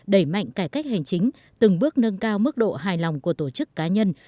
đẩy mạnh cải cách hành chính từng bước nâng cao mức độ hài lòng của tổ chức cá nhân